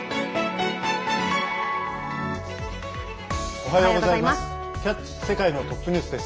おはようございます。